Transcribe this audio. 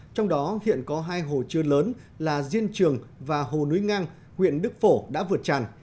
trong đó hiện có hai hồ chưa lớn là diên trường và hồ núi ngang huyện đức phổ đã vượt tràn